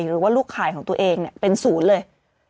หรือว่าลูกขายของตัวเองเป็นศูนย์เลย